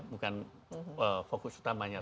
bukan fokus utamanya